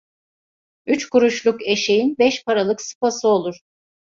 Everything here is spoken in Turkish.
Üç kuruşluk eşeğin beş paralık sıpası olur.